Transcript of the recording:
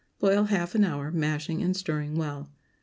Boil half an hour, mashing and stirring well.